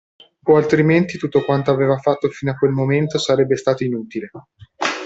O altrimenti tutto quanto aveva fatto fino a quel momento sarebbe stato inutile.